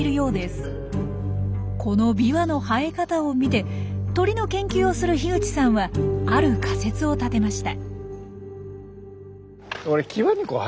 このビワの生え方を見て鳥の研究をする口さんはある仮説を立てました。